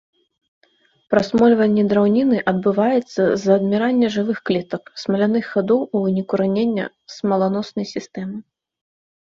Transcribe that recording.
Прасмольванне драўніны адбываецца з-за адмірання жывых клетак, смаляных хадоў у выніку ранення смаланоснай сістэмы.